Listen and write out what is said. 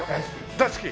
大好き。